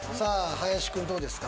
林くんどうですか？